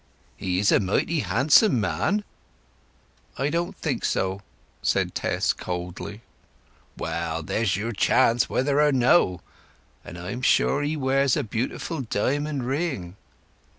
"He is a mighty handsome man!" "I don't think so," said Tess coldly. "Well, there's your chance, whether or no; and I'm sure he wears a beautiful diamond ring!"